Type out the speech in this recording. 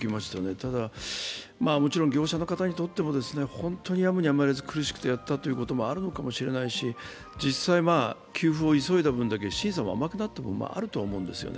ただ業者の方にとっても本当にやむにやまれず苦しくてやったということもあるのかもしれないし、実際、給付を急いだ分だけ審査も甘くなった分もあると思うんですね。